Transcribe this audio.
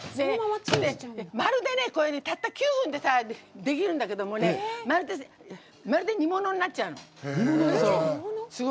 たった９分でできるんだけどもねまるで煮物になっちゃうの。